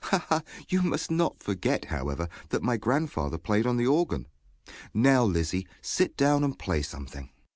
Ha, ha! You must not forget, however, that my grandfather played on the organ. Now, Lizzie, sit down and play something.